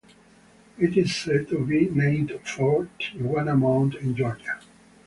It is said to be named for Tiawah Mound in Georgia.